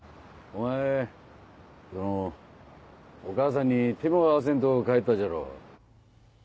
お母さんに手も合わせんと帰ったじゃろ。